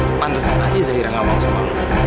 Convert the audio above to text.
lo nganter sama aja zaira nggak mau sama lo